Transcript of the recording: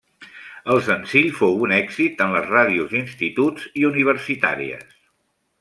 El senzill fou un èxit en les ràdios d'instituts i universitàries.